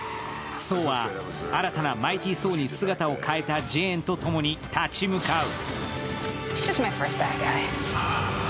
ソーは新たなマイティ・ソーに姿を変えたジェーンとともに立ち向かう。